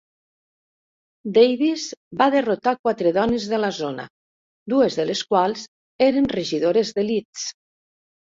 Davies va derrotar quatre dones de la zona, dues de les quals eren regidores de Leeds.